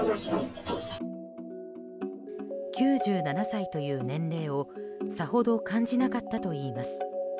９７歳という年齢をさほど感じなかったといいます。